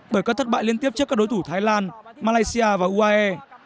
bởi các thất bại liên tiếp trước các đối thủ thái lan malaysia và uae